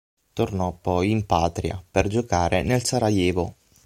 Tornò poi in patria, per giocare nel Sarajevo.